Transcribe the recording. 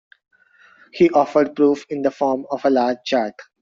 He offered proof in the form of a large chart.